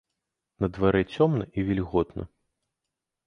На дварэ цёмна і вільготна.